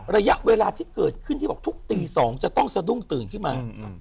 ระยะเวลาที่เกิดขึ้นที่บอกทุกตี๒จะต้องสะดุ้งตื่นขึ้นมา